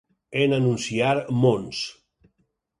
En anunciar Mons.